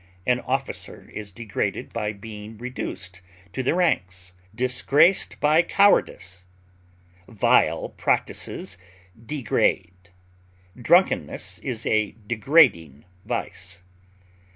An officer is degraded by being reduced to the ranks, disgraced by cowardice; vile practises degrade; drunkenness is a degrading vice.